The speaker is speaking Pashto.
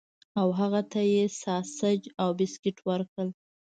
او هغه ته یې ساسج او بسکټ ورکړل